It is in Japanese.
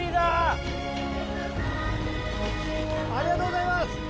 ありがとうございます！